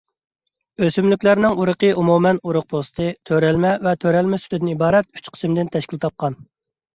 ئۆسۈملۈكلەرنىڭ ئۇرۇقى ئومۇمەن ئۇرۇق پوستى، تۆرەلمە ۋە تۆرەلمە سۈتىدىن ئىبارەت ئۈچ قىسىمدىن تەشكىل تاپقان.